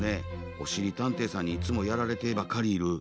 おしりたんていさんにいつもやられてばかりいる。